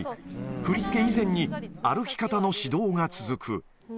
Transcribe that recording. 振り付け以前に、歩き方の指導が続く。